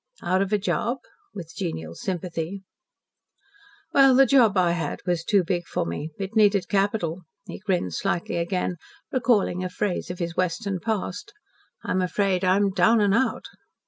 "Out of a job?" with genial sympathy. "Well, the job I had was too big for me. It needed capital." He grinned slightly again, recalling a phrase of his Western past. "I'm afraid I'm down and out."